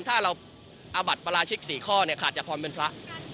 ถ้าเราอาบัติประราชิกสี่ข้อขาดจะพร้อมเป็นพระ